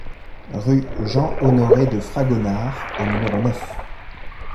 Rue Jean-Honoré de Fragonard au numéro neuf